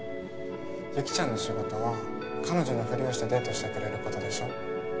雪ちゃんの仕事は彼女のふりをしてデートしてくれることでしょ？